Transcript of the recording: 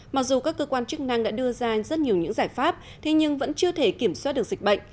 mặc dù các cơ quan chức năng đã đưa ra rất nhiều những giải pháp thế nhưng vẫn chưa thể kiểm soát được dịch bệnh